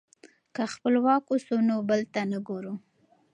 که خپلواک اوسو نو بل ته نه ګورو.